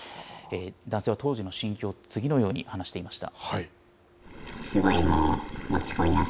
男性は当時の心境、次のように話していました。